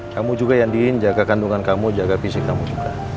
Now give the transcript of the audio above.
kamu juga yang diin jaga kandungan kamu jaga fisik kamu juga